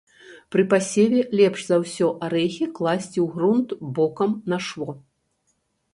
Пры пасеве лепш за ўсё арэхі класці ў грунт бокам на шво.